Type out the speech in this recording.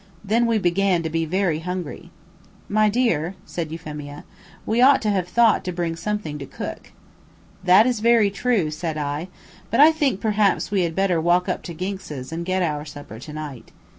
Then we began to be very hungry. "My dear," said Euphemia, "we ought to have thought to bring something to cook." "That is very true," said I, "but I think perhaps we had better walk up to Ginx's and get our supper to night.